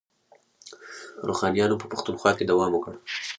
روښانیانو په پښتونخوا کې دوام وکړ.